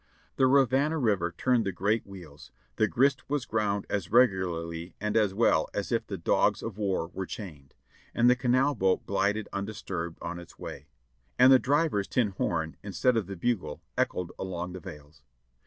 The Rivanna River turned the great wheels, the grist was ground as regularly and as well as if the "dogs of war" were chained, and the canal boat glided undis turbed on its way; and the driver's tin horn, instead of the bugle, echoed along the vales.